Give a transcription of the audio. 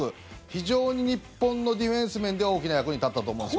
非常に日本のディフェンス面で大きな役に立ったと思うんです。